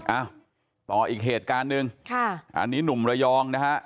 เอ้าต่ออีกเหตุการณ์หนึ่งค่ะอันนี้หนุ่มระยองนะฮะ